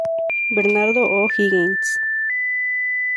Bernardo O' Higgins